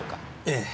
ええ。